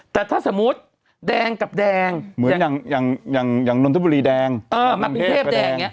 แต่ถ้าสมมุติแดงกับแดงอย่างน้ำชนบุรีแดงมากรุงเทพฯกับแดง